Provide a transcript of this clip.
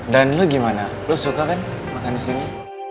dan lo gimana lo suka kan makan disini